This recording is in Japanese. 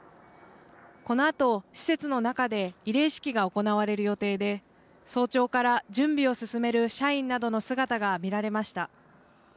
このあと施設の中で慰霊式が行われる予定で、早朝から準備を進める社員などの姿が見られました。